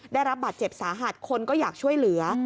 ได้รับบาดเจ็บสาหัสคนก็อยากช่วยเหลือ